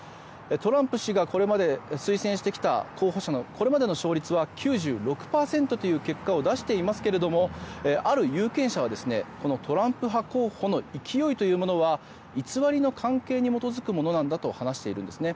トランプ氏がこれまで推薦してきた候補者のこれまでの勝率は９６％という結果を出していますが、ある有権者はこのトランプ派候補の勢いというものは偽りの関係に基づくものなんだと話しているんですね。